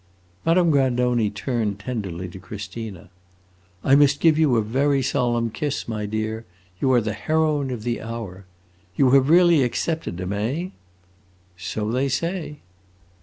Madame Grandoni turned tenderly to Christina. "I must give you a very solemn kiss, my dear; you are the heroine of the hour. You have really accepted him, eh?" "So they say!"